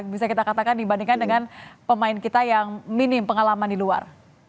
bisa kita katakan dibandingkan dengan pemain kita yang minim pengalaman di luar